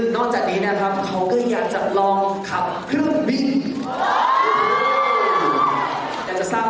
ตอนนี้เขาก็อย่างจะลองโสเกสบอร์ด้วยนะครับผม